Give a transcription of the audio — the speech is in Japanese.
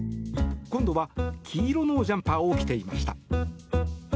今度は黄色のジャンパーを着ていました。